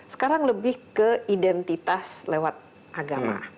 sekarang lebih ke identitas lewat agama